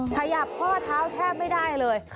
ขยับข้อเท้าแทบไม่ได้เลย